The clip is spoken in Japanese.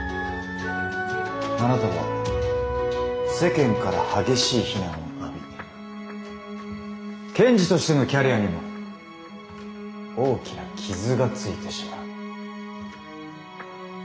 あなたは世間から激しい非難を浴び検事としてのキャリアにも大きな傷がついてしまう。